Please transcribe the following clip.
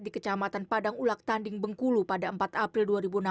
di kecamatan padang ulak tanding bengkulu pada empat april dua ribu enam belas